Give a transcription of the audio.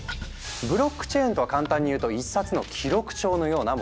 ブロックチェーンとは簡単に言うと一冊の記録帳のようなもの。